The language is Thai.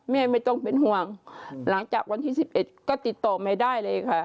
ไม่ต้องเป็นห่วงหลังจากวันที่๑๑ก็ติดต่อไม่ได้เลยค่ะ